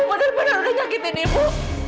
keluar dari kamarimu